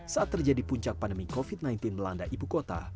saat terjadi puncak pandemi covid sembilan belas melanda ibu kota